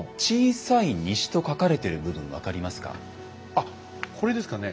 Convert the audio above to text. あっこれですかね。